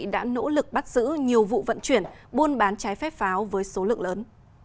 đã nỗ lực bắt giữ nhiều vụ vận chuyển buôn bán trái phép pháo với số lượng lớn